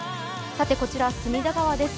こちらは隅田川です。